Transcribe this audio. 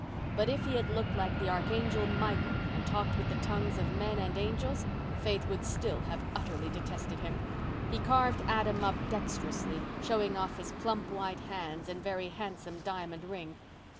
But if he had looked like the Archangel Michael and talked with the tongues of men and angels Faith would still have utterly detested him. He carved Adam up dexterously, showing off his plump white hands and very handsome diamond ring.